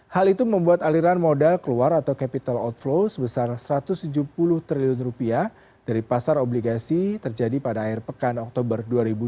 hal itu membuat aliran modal keluar atau capital outflow sebesar rp satu ratus tujuh puluh triliun dari pasar obligasi terjadi pada akhir pekan oktober dua ribu dua puluh